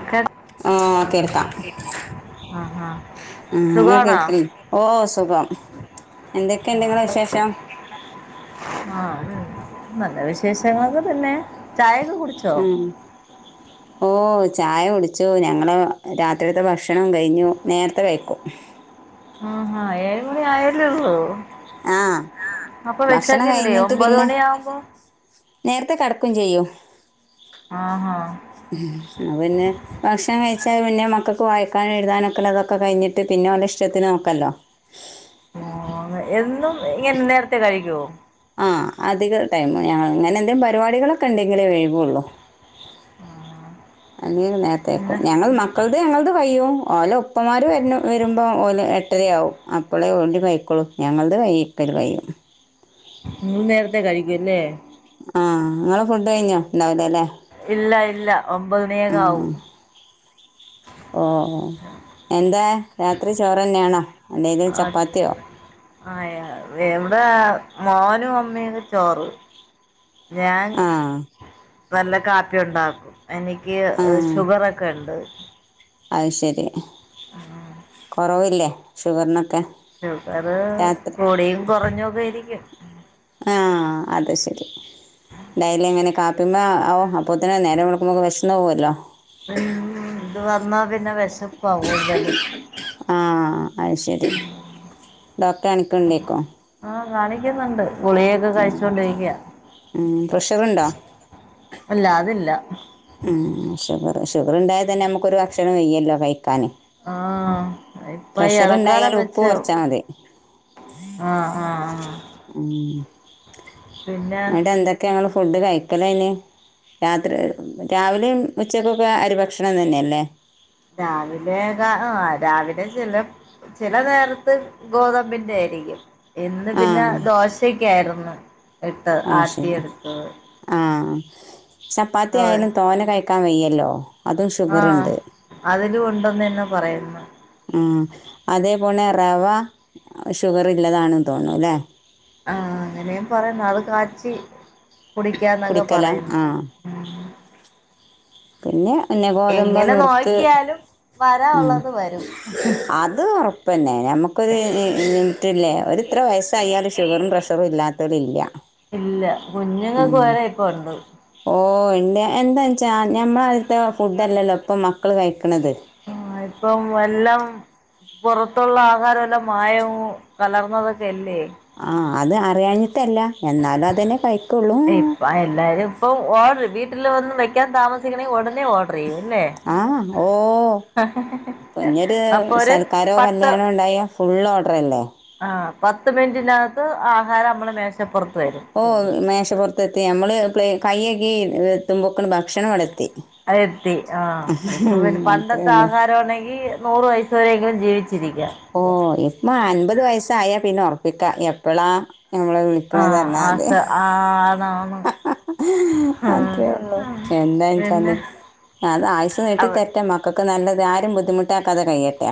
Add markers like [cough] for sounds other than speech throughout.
ആഹ് ആ കേൾക്കാം ആഹ് ഉം സുഖാണോ [unintelligible] ഓ സുഖം എന്തൊക്കെയങ്ങളെ വിശേഷം ആഹ് അത് നല്ല വിശേഷങ്ങളൊക്കെ തന്നെ ചായ ഉം ഓ ചായ കുടിച്ചു ഞങ്ങള്‌ രാത്രിത്തെ ഭക്ഷണം കഴിഞ്ഞു നേരത്തെ വയ്ക്കും ആഹ ആഹ ഏ ഴു മ ണി ആയല്ലേള്ളൂ ആഹ് ആ അപ്പൊ ഭക്ഷണം വിശക്കില്ലേ കഴിഞ്ഞിട്ട് ഒമ്പത് പിന്നെ മണിആവുമ്പോ നേരത്തെ കടക്കും ചെയ്യും ആഹ് ഹ ന്ന പിന്നെ ഭക്ഷണം കഴിച്ചാൽ പിന്നെ മക്കൾക്ക് വായിക്കാനും എഴുതാനൊക്കെള്ളത് ക്കെ കഴിഞ്ഞിട്ട് പിന്നെ അവടെ ഇഷ്ടത്തിന് നോക്കല്ലോ [unintelligible] എന്നും ഇങ്ങനെ നേരത്തെ കഴിക്കോ ആ അധിക ടൈം ഞങ്ങൾ അങ്ങനെ എന്തേങ്കിലും പരിപാടികളൊക്കെ ഉണ്ടെങ്കിലേ വൈകുള്ളൂ അല്ലെങ്കിലും നേരത്തെക്കും പിന്നെ ഞങ്ങൾ മക്കളുടെ ഞങ്ങളുടെ വൈകും ഓല ഉപ്പമാർ വര്ണ വരുമ്പോൾ ഓല എട്ടരയാവും അപ്പോളേ ഓൽ കഴിക്കോളൂ ഞങ്ങളത് കൈക്കൽ കൈയും നി നേരത്തെ കഴിക്കൂല്ലേ ആഹ നിങ്ങള് ഫുഡ് കഴിഞ്ഞോ ഉണ്ടാവലേ അലെ ഇല്ല ഇല്ല ഒമ്പത്ണിയക്കെ ആവും. ഓ എന്താ രാത്രി ചോറന്നെയാണോ? അല്ലേല് ചപ്പാത്തിയോ? ആ എവിടെ മോനും അമ്മയയും ഒക്കെ ചോറ് ഞാൻ ആഹ്. നല്ല കാപ്പി ഉണ്ടാ എനിക്ക് ആ ഷുഗറൊക്കെ ഉണ്ട്. അത് ശരി. കുറവില്ലേ ഷുഗറിന ഷുഗർ കൂടിയും കുറഞ്ഞൊക്കെ ഇരിക്കും. ഡയലി എങ്ങനെ കാപ്പിയ്പോ [unintelligible] അപ്പൊത്തിനെ നേരെ മുടക്കുമ്പോക്ക് വിഷം പോകുമല്ലോ ഉം ഇത് വന്നാ പിന്നെ വിശ ആഹ് അത് ശരി ഡോക്ടറെ എനക്ക്ണ്ടേക്കോ. ആഹ് കാണിക്കുന്നുണ്ട്. ഗുളിയൊക്കെ കഴിച്ചൊണ്ടിരിക്ക ഉ പ്രഷറുണ്ടോ? ഇല്ല ഉം ഷുഗർ ഷുഗറുണ്ടായൽ തന്നെ നമുക്കൊരു ഭക്ഷണം വെയ്യല്ലോ കഴിക്കാന് ആ ഇപ്പ ഈ ഉണ്ടായാൽ എളക്കാലം ഉപ്പ് വെച്ച് കുറച്ചാൽ മതി ആ ആ ആ ഉം. അവിടെ എന്തൊക്കെ ങ്ങള് ഫുഡ് കഴിക്കലയ്ന് രാത്രി രാവിലെയും ഉച്ചക്കൊക്കെ അരിഭക്ഷണം തന്നെയല്ലേ? രാവിലെ ആ രാവിലെ ചില ചില നേരത്ത് ഗോതമ്പിന്റെ ആയിരിക്കും എന്ന് ആ പിന്നെ ദോശൊക്കെ ആയിരുന്നു ഇട്ട് അത് ആട്ടി ശരി എടുത്തത് ചപ്പാത്തിയാലും തോനെ കായ് ക വയ്യല്ലോ അതും ഷുഗറ്ണ്ട് ണ്ടന്നെ പറയുന്നു ആ അതേപോലെ റവ ഷുഗർല്ലതാണന്ന് തോന്നും ല്ലേ ആഹ് അങ്ങനേം പറയാം ഇന്നാള് കാച്ചി. കുടിക്കാം ന്നെക്കെ കുടിക്കല പറയുന്നു ആ ഉം പിന്നെ പിന്നെ ഗോതമ്പ് എങ്ങനെ നുറുക്ക് നോയ്ക്കിയാലും വരാള്ളത് വരും. പിന്നേ നമുക്കൊരു ലി ലിമിറ്റില്ലേ. ഒരു ഇത്രെ വയസ്സായാല് ഷുഗറും പ്രഷറും ഇല്ലാ ത്തൊലില്ല്യ. ഇല്ല കുഞ്ഞുങ്ങക്ക് വരെ ഇപ്പൊ ഉണ്ട് ന്തെ എന്താണ്ച്ചാ ഞമ്മളാൽത്തെ ഫുഡല്ലല്ലോ ഇപ്പൊ മക്കള് കഴിക്ക്ണത്? ആ ഇപ്പം എല്ലാം പൊറത്തുള്ള ആഹാരം എല്ലാം മായവും കലർന്നതൊക്കെ? ആ അത് അറിയാണി ട്ടല്ല എന്നാലും അതെന്നെ കയ്ക്കൊള്ളൂ [unintelligible] വീട്ടില് ഒന്ന് വെക്കാൻ താമസിക്കണേ ഉടനെ ഓട ആഹ് ഓ തുഞ്ഞൊര് അപ്പൊ ഒരു സൽക്കാരോ പത്ത് കല്യാണോ ഉണ്ടായാ ഫുള്ള് ഓർഡർ അല്ലേ ആഹ് പത്ത് മിനി കിൻ്റെകത്ത് ആ, സാനമ്മളെ മേശ ഞാ പ്പുറത്ത് വരും പ്പുറത്തെത്തി നമ്മള്‌ കൈയ്യെകി അത് എത്തി ആഹ് ഇപ്പ പിന്നെ അത്രേ പണ്ടത്തെ ഉള്ളൂ ആഹാര ആണെങ്കിൽ നൂറ് വയസ് വരെയങ്കിലും ജീവിച്ച ഓ ഇപ്പ അൻപത് വയസ്സായ പിന്നേർ ഇക്ക എപ്പള ആഹാസ് ആ ആ ഹഹ അത്രേ ഉള്ളു എന്താച്ചാല് പിന്നെ അത് ആയുസ നീട്ടി അവ തെരട്ടെ മക്കക്ക്‌ ഒക്കെ നല്ലത് ആരേം ബുദ്ധിമുട്ടാക്കാതകഴിയട്ടെ.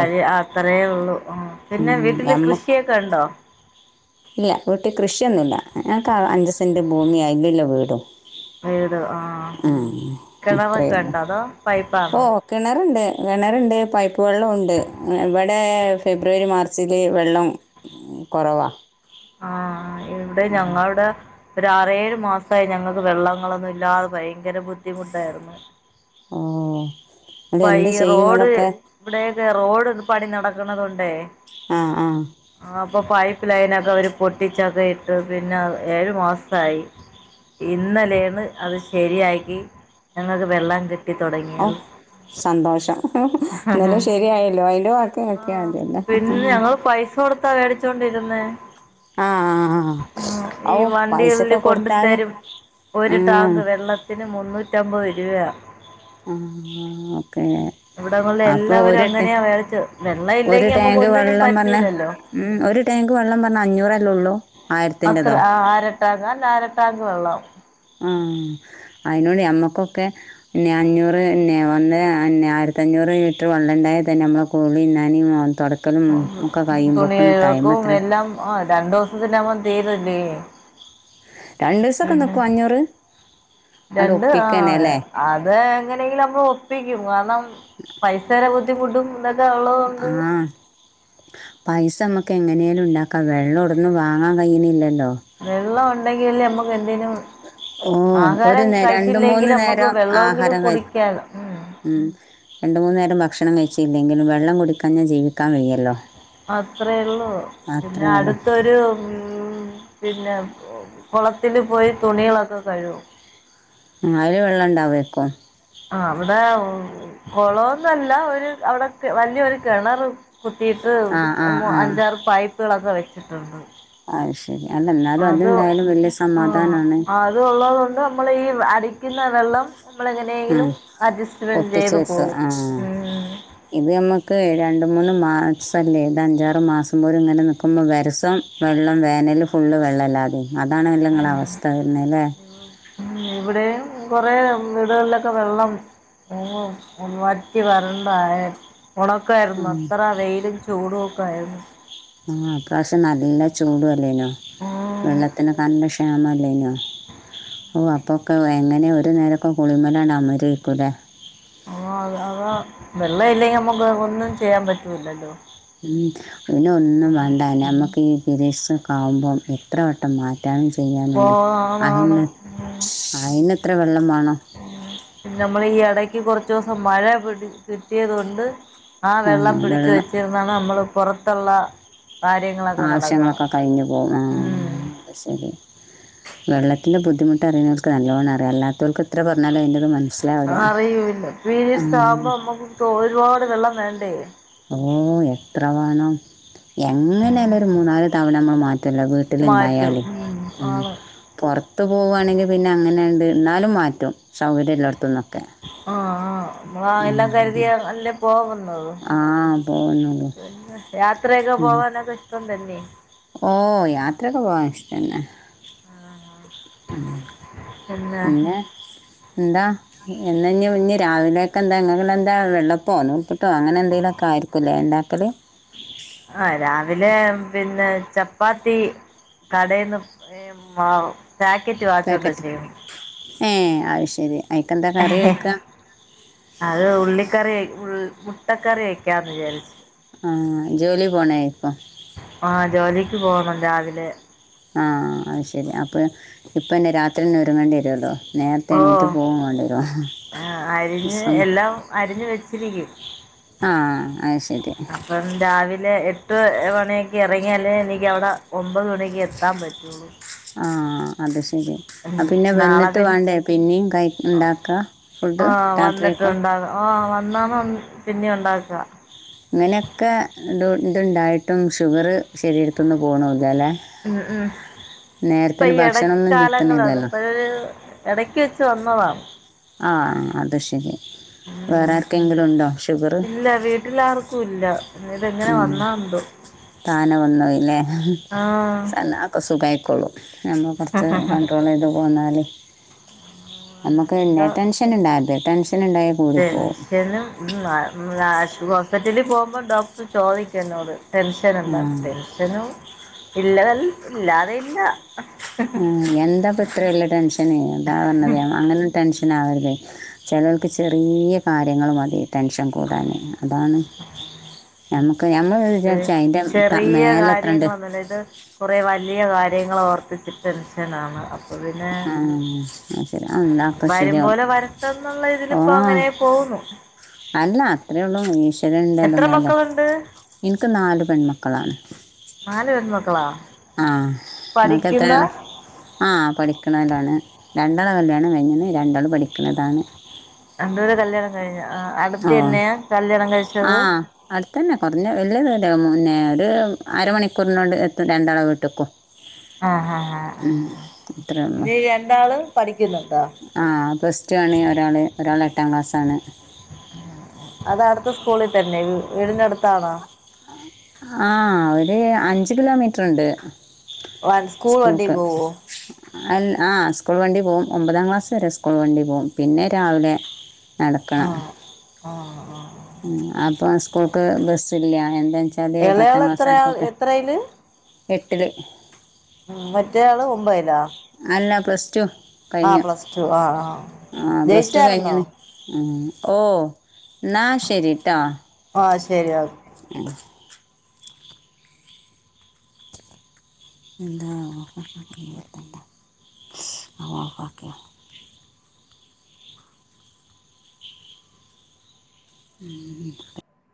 അയേ അത്രയേ ഉള്ളു ആ ഉം പിന്നെ വീട്ടില് ഞമ്മക്ക് കൃഷിയൊക്കെ ഉണ്ടോ? [unintelligible] ന്റെ ഭൂമി അയിലില്ല വീടും. വീട് ആഹ ഉം അത്രേ കിണറൊക്കെ ഉള്ളൂ ഉണ്ടോ? അതോ ഓ പൈപ്പാണോ? കിണറുണ്ട് കിണറുണ്ട്. പൈപ്പ് വെള്ളമ ഉണ്ട് ഇവിടെ ഫെബ്രുവരി മാർച്ചിൽ വെള്ളം കുറവാണ്. ആഹ ഇവിടെ ഞങ്ങളവിടെ ഒര ആറേഴ് മാസമായി ഞങ്ങൾക്ക് വെള്ളങ്ങളൊന്നും ഇല്ലാതെ ഭയങ്കര ബുദ്ധിമുട്ടായിരുന്നു. ആ പപ്പ ഈ റോഡ് ഇവിടെയൊക്കെ റോഡ് പണി നട ആണതുണ്ടേ ആഹ ആഹ അപ്പോൾ പൈപ്പ് ലൈനൊക്കെ അവർ പൊട്ടിച്ചൊക്കെ ഇട്ട് പിന്നെ ഏഴു മാസമായി ഇന്നലെയണ് അത് ശരിയാക്കി ഞങ്ങൾക്ക് വെള്ളം കി കിട്ടി ഓ തുടങ്ങിയത് സന്തോഷം എന്നാലും ശരിയായല്ലോ അതില വക്കി ആഹ് വോക്കിയതില്ല പിന്നെ ഞങ്ങള് പൈസ കൊടുത്താ മേടിച്ചോണ്ടിരുന്നേ ആഹ ഉം ഓ ഈ വണ്ടികളില് പൈസക്കെ കൊണ്ട് കൊടുത്താതെ തരും ഉ വരിവ ആഹ ആ ഓക്കേ ഇവിടങ്ങളിൽ അപ്പൾ എല്ലാവരും ഒരു അങ്ങനെയാ മേടിച്ചത് വെള്ളം ഒരു ഇല്ലെങ്കി നമുക്ക് ടാങ്ക് ഒന്നിനും വെള്ളം പറഞ്ഞൽ പറ്റൂലല്ലോ ഒരു ടാങ്ക് വെള്ളം പറഞ്ഞ അഞ്ഞൂറല്ലേ ഉള്ളൂ അത്ര ആയിരത്തിന്റെതോ ആ ആരട്ടാങ് അ ആരട്ടാങ്ക് വെള്ളം ആ അതിനോട് നമ്മുക്കൊക്കെ പിന്നെ അഞ്ഞൂറ് പിന്നെ വന്ന് പിന്നെ ആയിരത്തഞ്ഞൂറ് ലിറ്റർ വെള്ളം ഉണ്ടായൽ തന്നെ നമ്മളെ കുലിം നനിം ഇന്നാനും തുണിയഴക്കും എത്ര എല്ലാം ആ രണ്ടു ദിവസത്തിനാവുമ്പം തീരല്ലേ [inaudible] പിന്നെ നിൽക്കും അഞ്ഞൂറ് അങ്ങട് രണ്ട് ആ ഒപ്പിക്കന്നെ അല്ലേ അത് എങ്ങനെയെങ്കിലും നമ്മൾ ഒപ്പിക്കും കാരണം പൈസയുടെ ബു [unintelligible] എന്ത അവളോണ്ട് ആഹ് പൈസ നമുക്ക് എങ്ങനേലും ഉണ്ടാക്കാം വെള്ളമൊടന്നും വാങ്ങാൻ കഴിയുന്നില്ലല്ലോ വെള്ളം ഉണ്ടെങ്കില് നമ്മുക്ക് എതിനും ഓ ഒരു നേം രണ്ട മൂന്ന് നമ്മുക്ക് നേരം വെള്ളമെങ്കിലും ആഹാരം കഴി കുടിക്കാലോ ഉം ഉ രണ്ട് മൂന്ന് നേരം ഭക്ഷണം കഴിച്ചില്ലെങ്കിലും വെള്ളം കുടിക്കാഞ്ഞ ജീവിക്കാൻ വയ്യല്ലോ അത്രേ ഉള്ളു പിന്നെ അത്രേ ഉള്ളൂ അടുത്തൊരു ഉ പിന്നെ കുളത്തില് പോയി തുണികളൊക്കെ കഴുവും ആയല് വെള്ളം ഇണ്ടാവേക്കു ആ അവിടെ കുളന്നല്ല ഒരു അവിടെ വലിയൊ ഒരു കിണറ് കുത്തിയിട്ട് ആഹ് ആഹ് അഞ്ചാറ് പൈപ്പുകളൊക്കെ വെച്ചു ചിട്ടന്ന് അസ് അത് ആഹ് സമാധാനമാണ് അത് ഒള്ളത് കൊണ്ട് നമ്മള് ഈ അടിക്കുന്ന വെള്ളം ഉ നമ്മളെങ്ങനെയെങ്കിലും അഡ്ജസ്റ്റ്മെന്റ് ഒപ്പിച്ച ചെയ്ത് വത്ത പോകും ആ ഇത് നമ്മക്ക് ര പ മൂന്ന് മാസംമല്ലേ ഇത് അഞ്ചാറ് മാസം പോലും ഇങ്ങനെ നിൽക്കുമ്പോൾ വരസം വെള്ളം വേനൽ ഫുള്ള് വെള്ളംമല്ലാത അതാണ എല്ലാം നിങ്ങള അവസ്ഥ വരുന്നല്ലേ ഉം ഇവിടെയും കൊറെ വീടുകളിലൊക്കെ വെള്ളം മാറ്റി വരണ്ടായൽ ഉണക്കായിരുന്നു അത്ര വെയിലും ചൂടും ഒക്കെ ആയിരുന്നു ആഹ അ പ്രാവശ്യം നല്ല ചൂടു അല്ലേനോ? ആഹ് വെള്ളത്തിന് [unintelligible] [unintelligible] നോ ഓ അപ്പോക്കെ എങ്ങനെയ ഒരു നേരക്കെ കുളിമലമരേക്കും ല്ലേ? അ അതാ വെള്ള ഇല്ലെങ്കിൽ നമുക്ക് ഒന്നും ചെയ്യാൻ പറ്റൂല്ലല്ലോ? ഉ പിന്നെ ഒന്നും വേണ്ടന്ന നമ്മുക്ക് പിരീഡ്സ് ഒക്കെ ആവുമ്പോം എത്ര വട്ടം മാറ്റി സ്കാൻ ചെയ്യാനുണ്ട് പോണാണ് [unintelligible] വേണം പിന്നെ നമ്മള് ഈ എടക്ക് കൊറച്ച്- കൊറച്ചു ദിവസം മഴ കിട്ടിയതു കൊണ്ട് ആ വെള്ളം പിടിച്ചു വെച്ചിരുന്നാണ് നമ്മള് പുറ- [unintelligible] ആവശ്യങ്ങളൊക്കെ കഴിഞ്ഞു പോകും ആ ഉം അത് ശരി വെള്ളത്തിന്റെ ബുദ്ധിമുട്ട് അറിയുന്നവർക്ക് നല്ലോണം അറിയാം അല്ലാത്തവർക്ക് എത്ര പറഞ്ഞാലും അതിൻ്റെത് മന- അറിയൂല്ല പീരയഡ്സ് ആകുമ്പോ നമ്മുക്ക് ഒരുപാട് വെള്ളം വേണ്ട [unintelligible] ഓ എത്ര വേണം എങ്ങനെലും ഒരു മൂന്നാല് തവണ നമ്മള് മാറ്റ- പറ്റല്ല വീട്ടില മാറ്റും ഇണ്ടായാലും ഉം ആണ് പൊറത്ത് പോവുവാണെങ്കിൽ പിന്നെ അങ്ങനെയാണ്ട് - എന്നാലും മാറ്റും സൗകര്യം ഇല്ലായിടത്തുംന്ന് ആഹ ആഹ് നമ്മ എല്ലാം അതാണ് കരുതിയ അല്ലേ പോവുന്നത് ആഹ് പോകുന്നുള്ളൂ പിന്നെ യാത്രയൊക്കെ ഉം പോവാനൊക്കെ ഇഷ്ടം തന്നെ ഓ യാത്രൊക്കെ പോവാൻ ഇഷ്ടന്നെ പിന്നെ പിന്നെ എന്താ ഇന്ന് ഞ്ഞ് രാവിലെയൊക്കെ എന്താ ങ്ങക്ക് ന്ന് എന്താ വെള്ളപ്പമോ നൂൽപ്പെിട്ടോ അങ്ങനെ എന്തെേങ്കിലുമൊക്കെ ആയിരിക്കുംല്ലേ ഇണ്ടാക്കൽ ആ രാവിലെ പിന്നെ ചപ്പാത്തി കടേന്ന് മാവ് പായ്ക്കറ്റ് വാങ്ങിച്ചോണ് വച്ചേക്കും ഏ ആത് ശരി അയിക്കെന്താ കറി വെക്ക അത് ഉള്ളിക്കറി ഉ മുട്ടക്കറി ഒക്കാന്ന് വിചാരിച്ചു ആ ജോലി പോണെ ആ ജോലി ക്ക് പോണം രാവിലെ ആ അത് ശരി അപ്പൊ ഇപ്പന്നെ രാത്രി ന്നെ ഒരുങ്ങേണ്ടി വരുമല്ലോ ഓ ആ അരിഞ്ഞ് എല്ലാം അരിഞ്ഞ് വെച്ചിരിക്കും ആഹ് അത്ശ അപ്പം രാവിലെ എ എട്ട് മണിയൊക്കെ ഇറങ്ങിയാലേ എനിക്ക് അവിടെ ഒമ്പത് മണിക്ക് എത്താൻ പറ്റുള്ളൂ ആഹ് അത് ശരി ഉം ആ പിന്നെ നാളെ വന്നിട്ട് പിന്നെ വാണ്ടേ പിന്നേം കൈ ഉണ്ടാക്ക ഫുഡ് ആഹ് വന്നിട്ട് രാത്രിയൊക്കെ ഉണ്ടാക ആഹ് വന്നാണ് പിന്നെ ഉണ്ടാക്കുക ഇങ്ങനെക്കെ ഡൂ ഇതുണ്ടായിട്ടും ഷുഗർ ശെരിരത്തിന്ന് പോണൂലല്ലേ ഉം ഉം ഇപ്പൊ ഈ ഭക്ഷണമൊന്നും ഇടക്കാലങ്ങളാണ് ചെത്തണില്ലല്ലോ ഇപ്പൊ ഇടക്ക് വെച്ച് വന്നതാണ് ആഹ് അത് ശരി വേറെ ഉം ആർക്കെങ്കിലും ഉണ്ടോ ഷുഗർ ഇല്ല വീട്ടിലാർക്കും ഇല്ല ഇതെങ്ങനെ ഉം വന്നാന്തോ താന വന്നത് ല്ലേ ആഹ് സാരല്ല അതൊക്ക സുഖായി കൊള്ളും നമ്മൾ കുറച്ച് കൺണ്ട്രോൾ ചെയ്ത് പോന്നാല് [inaudible] നമക്ക് പിന്നെ അങ്ങനെയൊക്കെ ടെൻഷനിണ്ടാവരുത് ടെൻഷ ടെൻഷനും മ് ആശ്വാസം പിറ്റലിൽ പോവുമ്പോ ഡോക്ടർ ചോദിക്കെന്നോട് ടെൻഷനുണ്ട ആ ടെൻഷനും ഇല്ലൽ ഇല്ലാതില്ല ആ എന്താപ്പത്രെ വല്യേ ടെൻഷന് അതാ പറഞ്ഞത് അങ്ങനൊന്നും ടെൻഷൻ അങ്ങനാവരുതയ് ചേലോർക്ക് ചെറിയ കാര്യങ്ങൾ മതി ടെൻഷൻ കൂടാൻ അതാണ് നമ്മ അത് ചെറിയ എത്ര ഉണ്ട് കാര്യങ്ങളൊന്നുല്ല ഇത് കുറേ വലിയ കാ കാര്യങ്ങൾ ഓർത്തിച്ച് ടെൻഷനാണ് പിന്നെ ആ അത് ശരി ആ, ഉണ്ടാക്കും ശരിയാവും വരുമ്പോലെ വരട്ടെന്നുള്ള ഓ ഇതിലിപ്പോ അങ്ങനെ പോകുന്നു അല്ല അത്രേ ഒള്ളൂ നി ഈശ് ശരൻ ഇണ്ടല്ലോ എത്ര മേലെ മക്കളുണ്ട് ഇക്ക് നാല് പെൺമക്കളാണ് നാല് പെൺമക്കളോ ആ ഇങ്ങക്ക് എത്രയാള ആഹ് പഠിക്ക നാലാണ് രണ്ടാളെ കല്യാണം കഴിഞ്ഞണ് രണ്ടാൾ പഠിക്കണതാണ് രണ്ടുപേരെ കല്യാണം കഴിഞ്ഞാ ആ അടുത്ത ഓ തന്നെയ കല്യാണം കഴിച്ച ആഹ് അ അടുത്തന്നെ കൊറഞ്ഞ വല്യ പിന്നെ ഒര് അരമണിക്കൂറിനോട് എത്തും രണ്ടാള വീട്ട്ക്കും ആഹ് ആഹ് ആഹ് ഉം ആഹ് അത്രെ ഉള്ളു ഇനി രണ്ടാള് പഠിക്കുന്നുണ്ടോ ആ പ്ലസ് ടു കഴിഞ്ഞു ഒരാള് ഒരാള് - എട്ടാം ക്ലാസ്സാണ് അത അടുത്ത സ്കൂളിൽ തന്നെ വീടിന് അടുത്താണോ ആ ഒര് അഞ്ചു കിലോമീറ്റർ ഉണ്ട് വ സ്കൂൾ വണ്ടി പോവോ അല്ല ആ സ്കൂൾ വണ്ടി പോവും ഒമ്പതാം ക്ലാസ് വരെ സ്കൂൾ വണ്ടി പോവും പിന്നെ രാവിലെ- നടക്കണം ആഹ് ആഹ് ആഹ് ഇപ്പം സ്കൂൾക്ക് ബസ് ഇല്ല എന്താണ് എളയവളേ എത്രയാ എത്രയില് എട്ടില് ഉം മറ്റേയാള് ഒമ്പതിലോ അല്ല പ്ലസ് ടു ആ കഴിഞ്ഞു പ്ലസ് ടു ആ ആ ആഹ് പ്ലസ് ടു ജയിച്ചായിരുന്നോ കഴിഞ്ഞണ് ഉം ഓ എന്നാ ശരിട്ടോ ആ ശരി ഓക്കെ അ [inaudible] ഉ [unintelligible]